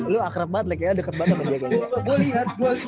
lo akrab banget lagnya deket banget sama dia